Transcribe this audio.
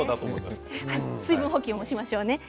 水分補給もしましょうね。